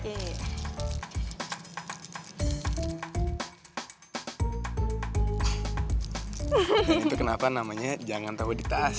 ini tuh kenapa namanya jangan tau di tas